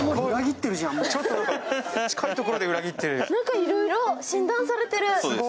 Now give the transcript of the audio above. いろいろ診断されてる。